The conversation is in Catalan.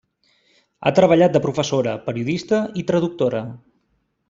Ha treballat de professora, periodista i traductora.